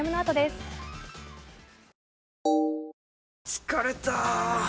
疲れた！